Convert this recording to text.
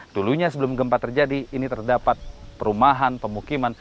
dulunya sebelum gempa terjadi ini terdapat perumahan pemukiman